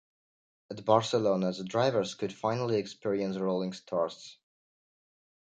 At Barcelona, the drivers could finally experience rolling starts.